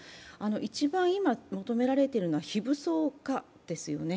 一番、今求められているのは非武装化ですよね。